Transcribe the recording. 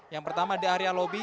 yang pertama di area lobby